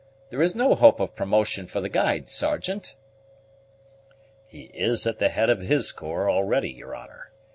There is no hope of promotion for the guide, Sergeant." "He is at the head of his corps already, your honor.